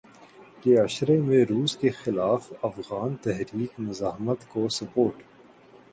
کے عشرے میں روس کے خلاف افغان تحریک مزاحمت کو سپورٹ